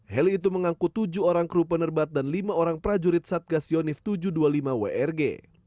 heli itu mengangkut tujuh orang kru penerbat dan lima orang prajurit satgas yonif tujuh ratus dua puluh lima wrg